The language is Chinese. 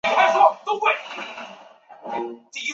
该遗址目前位于中国天津市滨海新区东炮台路。